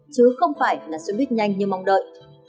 chứ không phải là xe buýt nhanh như mong đợi